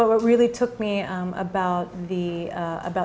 tapi yang benar benar membuat saya